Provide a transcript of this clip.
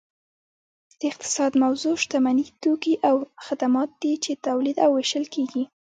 د اقتصاد موضوع شتمني توکي او خدمات دي چې تولید او ویشل کیږي